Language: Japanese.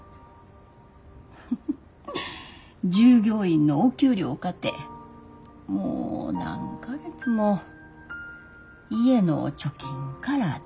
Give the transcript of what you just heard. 従業員のお給料かてもう何か月も家の貯金から出してる。